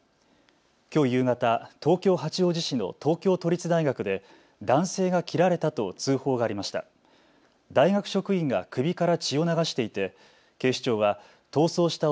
きょう夕方、東京八王子市の東京都立大学で男性が切られたと通報がありました。